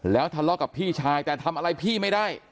แล้วทะเลาะกับพี่ชายแต่ทำอะไรพี่ไม่ได้